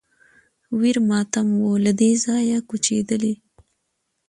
ویر ماتم و له دې ځایه کوچېدلی